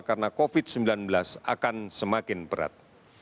karena covid sembilan belas akan semakin berat